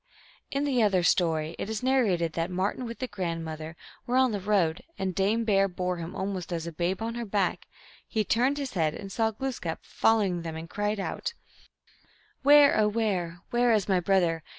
In the other story (M.) it is narrated that as Mar tin with the grandmother were on the road, and Dame Bear bore him as almost a babe on her back, he turned his head and saw Glooskap following them, and cried out, " Where, oh where, Where is my brother